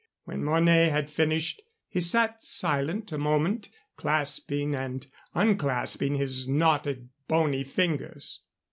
When Mornay had finished, he sat silent a moment, clasping and unclasping his knotted, bony fingers.